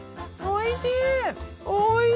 おいしい！